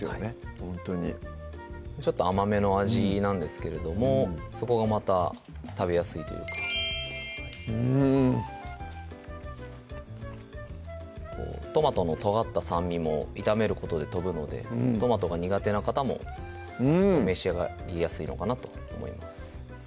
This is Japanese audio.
ほんとにちょっと甘めの味なんですけれどもそこがまた食べやすいというかうんトマトのとがった酸味も炒めることで飛ぶのでトマトが苦手な方も召し上がりやすいのかなと思います